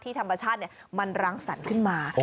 ธรรมชาติมันรังสรรค์ขึ้นมา